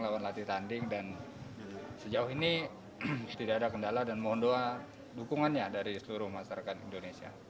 melakukan latihan tanding dan sejauh ini tidak ada kendala dan mohon doa dukungannya dari seluruh masyarakat indonesia